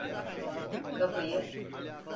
Kapıyı…